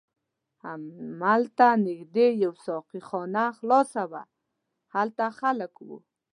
هملته نږدې یوه ساقي خانه خلاصه وه، هلته خلک و.